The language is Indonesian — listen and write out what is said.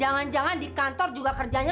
aku kebijakkan different hal manera gitu ya